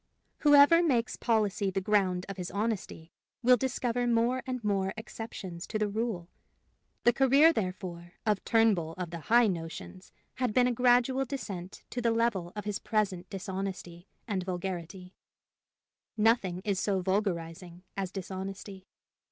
Whoever makes policy the ground of his honesty will discover more and more exceptions to the rule. The career, therefore, of Turnbull of the high notions had been a gradual descent to the level of his present dishonesty and vulgarity; nothing is so vulgarizing as dishonesty.